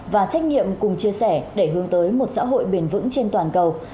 và trách nhiệm cùng chia sẻ để hướng tới một xã hội bền vững trên toàn cầu